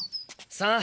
さあ？